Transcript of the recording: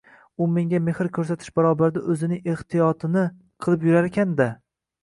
U menga mehr ko`rsatish barobarida o`zining ehtiyotini qilib yurarkan-da